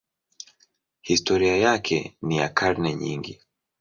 Historia yake ni ya karne nyingi.